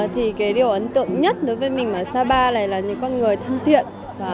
thì cái điều ấn tượng nhất đối với mình ở sapa này là những con người thân thiện